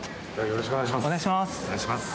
よろしくお願いします